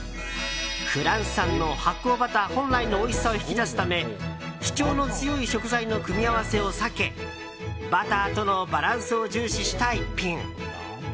フランス産の発酵バター本来のおいしさを引き出すため主張の強い食材の組み合わせを避けバターとのバランスを重視した逸品。